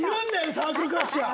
サークルクラッシャー。